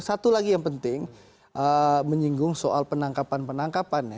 satu lagi yang penting menyinggung soal penangkapan penangkapan ya